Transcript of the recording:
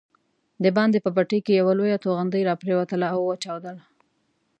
دباندې په بټۍ کې یوه لویه توغندۍ راپرېوتله او وچاودل.